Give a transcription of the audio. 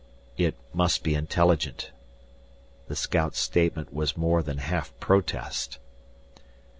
"It must be intelligent." The scout's statement was more than half protest.